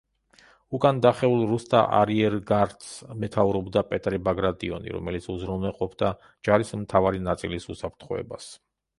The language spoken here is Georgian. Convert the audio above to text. უკან დახეულ რუსთა არიერგარდს მეთაურობდა პეტრე ბაგრატიონი, რომელიც უზრუნველყოფდა ჯარის მთავარი ნაწილის უსაფრთხოებას.